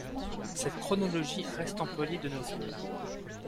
Cette chronologie reste employée de nos jours.